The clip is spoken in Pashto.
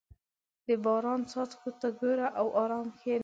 • د باران څاڅکو ته ګوره او ارام کښېنه.